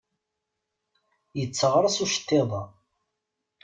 Yetteɣraṣ uceṭṭiḍ-a.